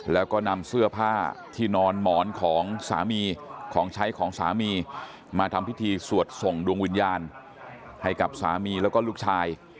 แล้วก็นำเสื้อผ้าที่นอนหมอนของสามีของใช้ของสามีมาทำพิธีสวดส่งดวงวิญญาณให้กับสามีแล้วก็ลูกชาย